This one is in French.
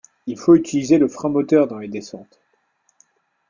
Il faut utiliser le frein moteur dans les descentes.